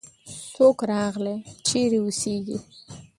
څوک راغی؟ چیرې اوسیږې؟